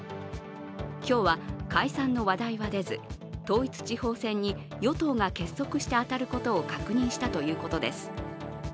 今日は解散の話題は出ず統一地方選に与党が結束して当たることを確認したということです。